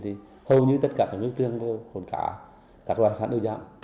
thì hầu như tất cả các ngư trường còn cả các loại hải sản đơn giản